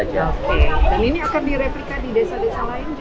dan ini akan direplika di desa desa lain